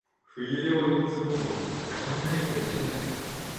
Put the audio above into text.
冬用のズボンを買わないといけない。